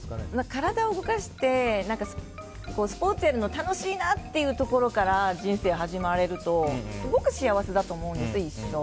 体を動かしてスポーツやるの楽しいなってところから人生が始まれるとすごく幸せだと思うんです、一生。